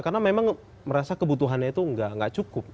karena memang merasa kebutuhannya itu enggak cukup